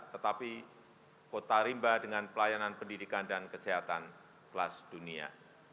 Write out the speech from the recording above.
tetapi kota rimba dengan pelayanan pendidikan dan kesehatan kelas dunia